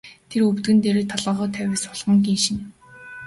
Тэр өвдгөн дээрээ толгойгоо тавиад сулхан гиншинэ.